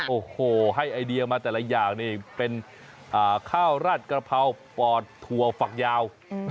โอ้โหให้ไอเดียมาแต่ละอย่างนี่เป็นข้าวราดกระเพราปอดถั่วฝักยาว